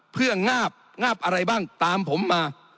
เพื่องาบงาบอะไรบ้างตามผมมา